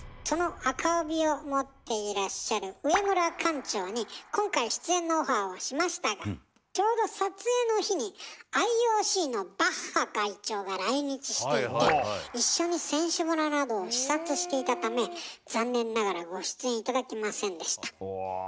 その紅帯を持っていらっしゃる上村館長に今回出演のオファーをしましたがちょうど撮影の日にＩＯＣのバッハ会長が来日していて一緒に選手村などを視察していたため残念ながらご出演頂けませんでした。